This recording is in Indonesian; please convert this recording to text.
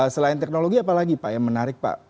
selain teknologi apa lagi pak yang menarik pak